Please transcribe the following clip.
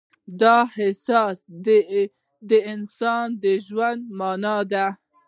دا احساس د انسان د ژوند معنی ده.